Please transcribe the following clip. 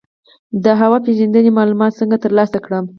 د هوا پیژندنې معلومات څنګه ترلاسه کړم؟